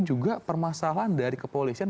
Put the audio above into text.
juga permasalahan dari kepolisian